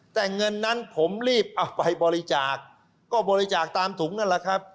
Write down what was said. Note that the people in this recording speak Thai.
แต่เงินนั้นผมรีบเอาไปบริจาคก็บริจาคตามถุงนั่นแหละครับ